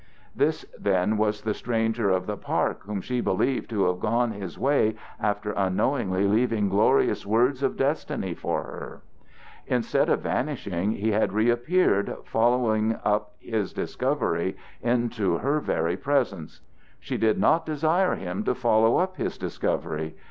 This, then, was the stranger of the park whom she believed to have gone his way after unknowingly leaving glorious words of destiny for her. Instead of vanishing, he had reappeared, following up his discovery into her very presence. She did not desire him to follow up his discovery.